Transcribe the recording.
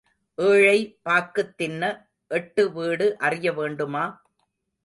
ஏழை பாக்குத் தின்ன எட்டு வீடு அறிய வேண்டுமா?